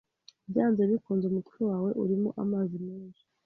byanze bikunze umutwe wawe urimo amazi menshi